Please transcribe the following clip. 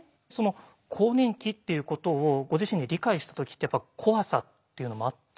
更年期っていうことをご自身で理解した時って「怖さ」っていうのもあったんですか？